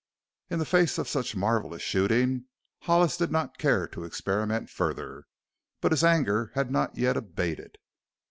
In the face of such marvelous shooting Hollis did not care to experiment further. But his anger had not yet abated.